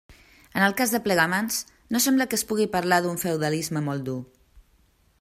En el cas de Plegamans, no sembla que es pugui parlar d'un feudalisme molt dur.